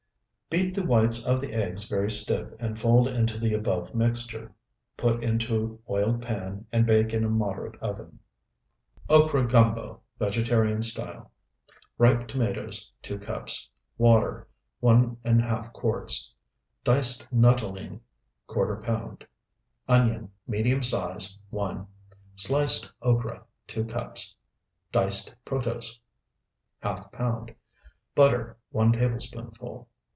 Beat the whites of the eggs very stiff and fold into the above mixture. Put into oiled pan, and bake in moderate oven. OKRA GUMBO (VEGETARIAN STYLE) Ripe tomatoes, 2 cups. Water, 1½ quarts. Diced nuttolene, ¼ pound. Onion, medium size, 1. Sliced okra, 2 cups. Diced protose, ½ pound. Butter, 1 tablespoonful.